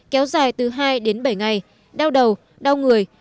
kéo dài từ hai đến bảy ngày đau đầu đau người